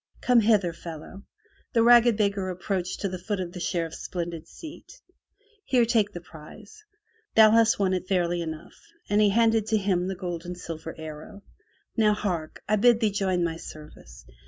Come hither, fellow." The ragged beggar approached to the foot of the Sheriff's splendid seat. "Here take the prize. Thou hast won it fairly enough," and he handed to him the gold and silver arrow. "Now hark! I bid thee join my service.